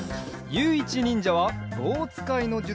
ゆういちにんじゃはぼうつかいのじゅ